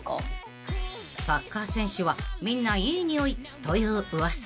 ［サッカー選手はみんないい匂いという噂］